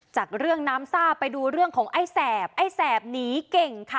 จากเรื่องน้ำซ่าไปดูเรื่องของไอ้แสบไอ้แสบหนีเก่งค่ะ